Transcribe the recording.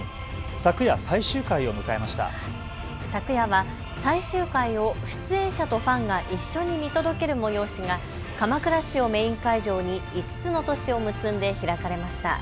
昨夜は最終回を出演者とファンが一緒に見届ける催しが鎌倉市をメイン会場に５つの都市を結んで開かれました。